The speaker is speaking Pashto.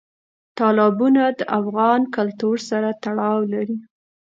تالابونه د افغان کلتور سره تړاو لري.